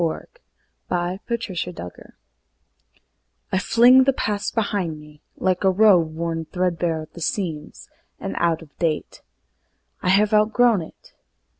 Ella Wheeler Wilcox The Past I FLING the past behind me, like a robe Worn threadbare at the seams, and out of date. I have outgrown it.